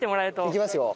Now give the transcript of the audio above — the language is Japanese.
いきますよ。